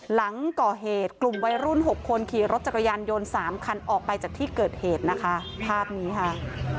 หลังก่อเหตุกลุ่มวัยรุ่น๖คนขี่รถจักรยานยนต์สามคันออกไปจากที่เกิดเหตุนะคะภาพนี้ค่ะ